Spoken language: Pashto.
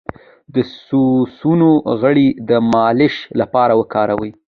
د سرسونو غوړي د مالش لپاره وکاروئ